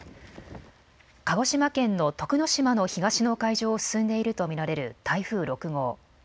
鹿児島県の徳之島の東の海上を進んでいると見られる台風６号。